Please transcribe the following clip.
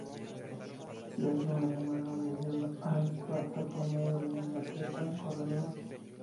Se hace una llamada de ayuda a Esparta por medio de un atleta corredor.